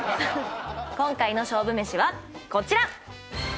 今回の勝負飯はこちら。